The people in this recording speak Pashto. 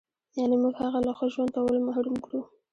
یعنې موږ هغه له ښه ژوند کولو محروم کړو.